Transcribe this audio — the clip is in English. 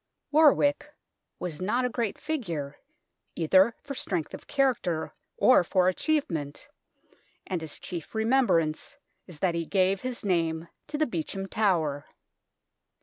War wick was not a great figure, either for strength of character or for achievement, and his chief remembrance is that he gave his name to the Beauchamp Tower.